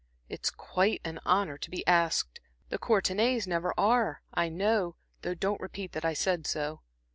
"It's quite an honor to be asked the Courtenays never are, I know, though don't repeat that I said so.